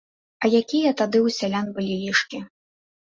А якія тады ў сялян былі лішкі?!